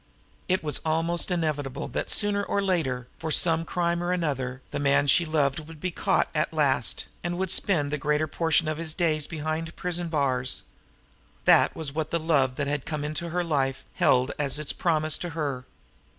It was almost inevitable that sooner or later, for some crime or another, the man she loved would be caught at last, and would spend the greater portion of his days behind prison bars. That was what the love that had come into her life held as its promise to her!